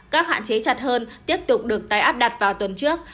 các hạn chế chặt hơn tiếp tục được tái áp đặt vào tuần trước